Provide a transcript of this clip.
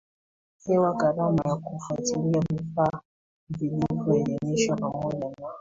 hewa Gharama ya kufuatilia vifaa vilivyoidhinishwa pamoja na